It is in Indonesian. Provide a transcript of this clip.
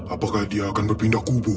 apakah dia akan berpindah kubu